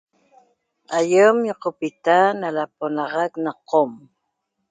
Aiem ñoqopita na laponaxac na qom.